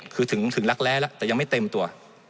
คือถึงรักแร้แล้วแต่ยังไม่เต็มตัว